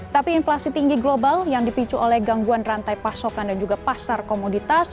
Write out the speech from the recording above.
tapi inflasi tinggi global yang dipicu oleh gangguan rantai pasokan dan juga pasar komoditas